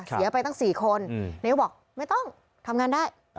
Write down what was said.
เสียไปตั้ง๔คนนายกบอกไม่ต้องทำงานได้